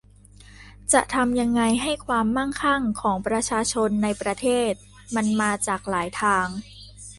จะทำยังไงให้ความมั่งคั่งของประชาชนในประเทศมันมาจากหลายทาง